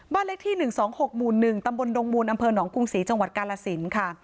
เลขที่๑๒๖หมู่๑ตำบลดงมูลอำเภอหนองกรุงศรีจังหวัดกาลสินค่ะ